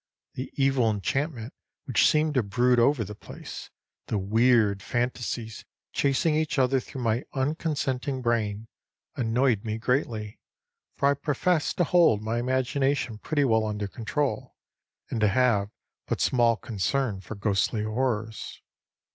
The evil enchantment which seemed to brood over the place, the weird fantasies chasing each other through my unconsenting brain, annoyed me greatly, for I profess to hold my imagination pretty well under control, and to have but small concern for ghostly horrors.